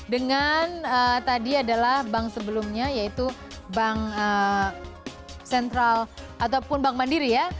dengan tadi adalah bank sebelumnya yaitu bank sentral ataupun bank mandiri ya